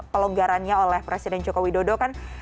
pelonggarannya oleh presiden joko widodo kan